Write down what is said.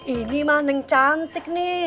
ini mah neng cantik nih